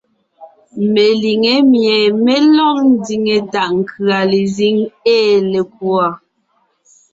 Meliŋé mie mé lɔg ndiŋe taʼ nkʉ̀a lezíŋ ée lekùɔ.